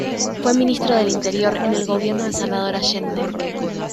Fue ministro del Interior en el gobierno de Salvador Allende.